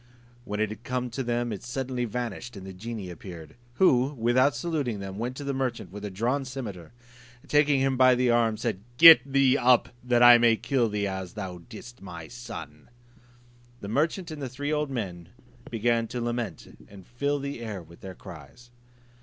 When it had come up to them it suddenly vanished, and the genie appeared; who, without saluting them, went to the merchant with a drawn cimeter, and taking him by the arm, said, "Get thee up, that I may kill thee, as thou didst my son." The merchant and the three old men began to lament and fill the air with their cries.